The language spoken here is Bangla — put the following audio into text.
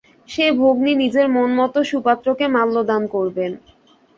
সে ভগ্নী নিজের মনোমত সুপাত্রকে মাল্যদান করবেন।